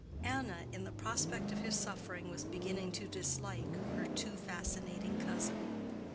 Anna, in the prospect of his suffering, was beginning to dislike her too fascinating cousin.